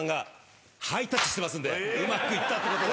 うまくいったってことで。